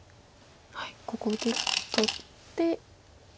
ここで取って。